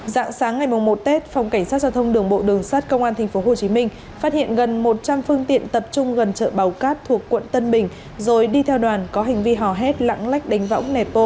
dạng sáng ngày một tết phòng cảnh sát giao thông đường bộ đường sát công an thành phố hồ chí minh phát hiện gần một trăm linh phương tiện tập trung gần chợ bảo cát thuộc quận tân bình rồi đi theo đoàn có hành vi hò hét lãng lách đánh võng nẻ tô